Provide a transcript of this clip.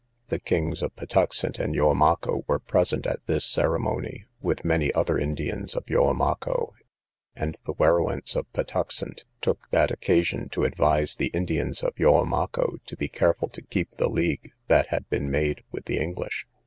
The kings of Patuxent and Yoamaco were present at this ceremony, with many other Indians of Yoamaco; and the Werowance of Patuxent took that occasion to advise the Indians of Yoamaco to be careful to keep the league that had been made with the English.